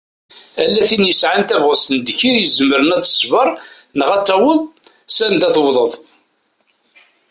Ala tin yesɛan tabɣest n ddkir i izmren ad tesber neɣ ad taweḍ s anda tewwḍeḍ.